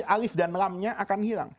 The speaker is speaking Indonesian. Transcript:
alif dan lam nya akan hilang